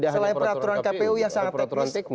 selain peraturan kpu yang sangat teknis